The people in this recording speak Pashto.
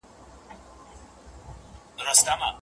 که تفاهم نه وي، ستونزي به ختمي نسي.